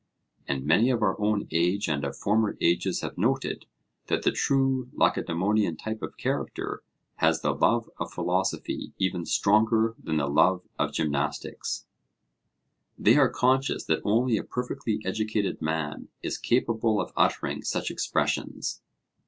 And many of our own age and of former ages have noted that the true Lacedaemonian type of character has the love of philosophy even stronger than the love of gymnastics; they are conscious that only a perfectly educated man is capable of uttering such expressions.